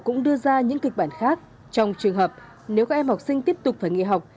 cũng đưa ra những kịch bản khác trong trường hợp nếu các em học sinh tiếp tục phải nghỉ học